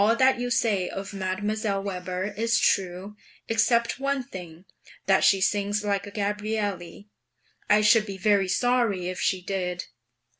All that you say of Mdlle. Weber is true, except one thing: that she sings like a Gabrielli; I should be very sorry if she did.